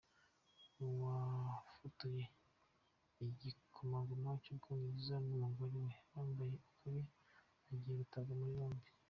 Uwafotoye Igikomangoma cy’u Bwongereza n’umugore we bambaye ukuri agiye gutabwa muri yombi